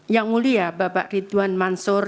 yang mulia bapak ridwan mansur